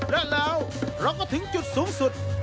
และแล้วเราก็ถึงจุดสูงสุด